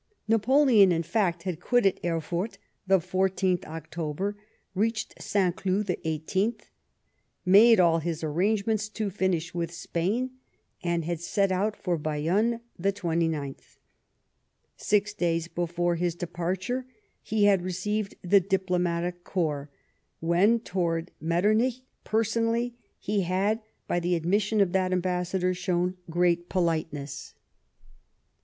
Napoleon, in foct, had quitted Erfurt the 14th Octoher ; reached St. Cloud the 18th ; made all his arrangements to finish with Spain ; and had set out for Bayonne the 29th. Six days before this departure he had received the diplomatic corps, when, towards Metternich personally, he had, by the admission of that ambassador, shown great politeness.